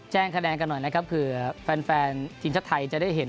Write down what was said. คะแนนกันหน่อยนะครับเผื่อแฟนทีมชาติไทยจะได้เห็น